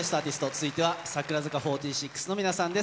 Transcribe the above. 続いては櫻坂４６の皆さんです。